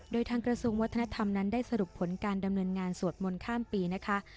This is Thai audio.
โดยทางกระทรวงวัฒนธรรมนั้นได้สรุปผลการดำเนินงานสวดมนต์ข้ามปีนะคะ